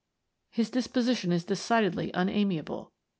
* His disposition is decidedly unamiable.